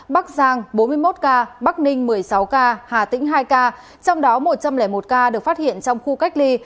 bắc giang bốn mươi một ca bắc ninh một mươi sáu ca hà tĩnh hai ca trong đó một trăm linh một ca được phát hiện trong khu cách ly